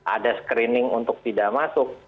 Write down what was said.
ada screening untuk tidak masuk